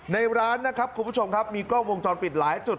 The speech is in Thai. ในร้านนะครับคุณผู้ชมครับมีกล้องวงจรปิดหลายจุด